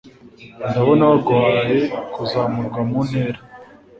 ndabona baguhaye kuzamurwa mu ntera